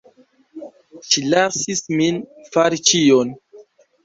Ŝi lasis min fari ĉion.